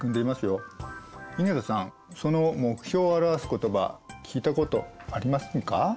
井桁さんその目標を表す言葉聞いたことありませんか？